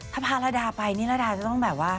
ถ้าพาระดาไปนี่ระดาจะต้องแบบว่า